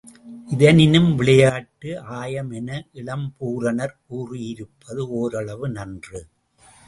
இதனினும் விளையாட்டு ஆயம் என இளம்பூரணர் கூறியிருப்பது ஓரளவு நன்று.